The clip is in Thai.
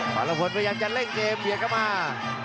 ภารพนธ์พยายามจะเร่งเจมส์เผียดเข้ามา